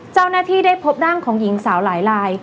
เจ้าหน้าที่ได้พบร่างของหญิงสาวหลายลาย